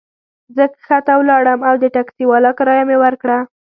زه کښته ولاړم او د ټکسي والا کرایه مي ورکړه.